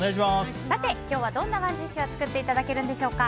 今日はどんなＯｎｅＤｉｓｈを作っていただけるんでしょうか？